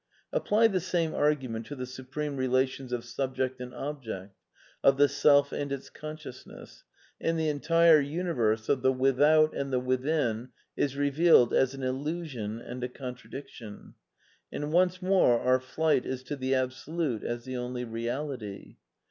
Apply the same argument to the supreme relations of subject and object, of the self and its consciousness, and the entire universe of the without and the within is re vealed as an illusion and a contradiction. And once more our fiight is to the Absolute as the only Reality.